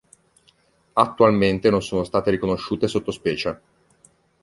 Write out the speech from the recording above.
Attualmente non sono state riconosciute sottospecie.